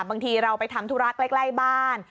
บางทีเราไปทำธุระใกล้บ้าน